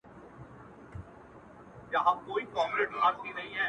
که مړ سوم نو ومنه.